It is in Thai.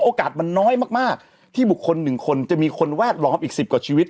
โอกาสมันน้อยมากมากที่บุคคลหนึ่งคนจะมีคนแวดล้อมอีกสิบกว่าชีวิต